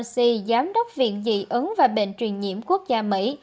tiến sĩ bác sĩ anthony fonsi giám đốc viện dị ứng và bệnh truyền nhiễm quốc gia mỹ